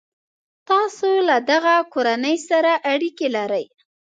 تاسي له دغه کورنۍ سره اړیکي لرئ.